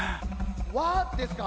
「輪ですか？」